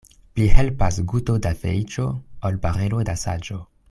Pli helpas guto da feliĉo, ol barelo da saĝo.